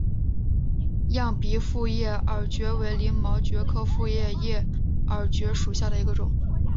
漾濞复叶耳蕨为鳞毛蕨科复叶耳蕨属下的一个种。